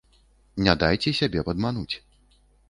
Не дайце сябе падмануць.